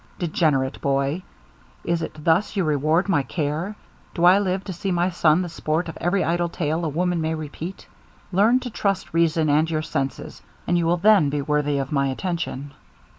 Degenerate boy! Is it thus you reward my care? Do I live to see my son the sport of every idle tale a woman may repeat? Learn to trust reason and your senses, and you will then be worthy of my attention.'